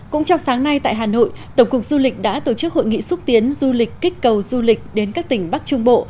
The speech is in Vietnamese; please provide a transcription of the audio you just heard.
cũng trong sáng nay tại hà nội tổng cục du lịch đã tổ chức hội nghị xúc tiến du lịch kích cầu du lịch đến các tỉnh bắc trung bộ